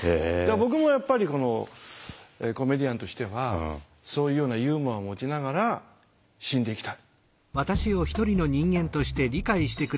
僕もやっぱりこのコメディアンとしてはそういうようなユーモアを持ちながら死んでいきたい。